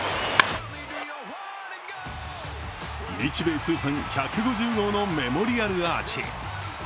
日米通算１５０号のメモリアルアーチ